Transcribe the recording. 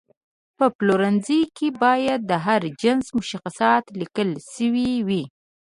په پلورنځي کې باید د هر جنس مشخصات لیکل شوي وي.